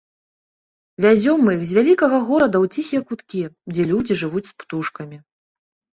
Вязём мы іх з вялікага горада ў ціхія куткі, дзе людзі жывуць з птушкамі.